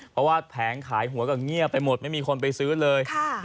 เพราะว่าแผงขายหัวก็เงียบไปหมดไม่มีคนไปซื้อเลย